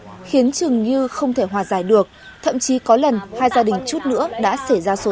này khiến chừng như không thể hòa giải được thậm chí có lần hai gia đình chút nữa đã xảy ra xô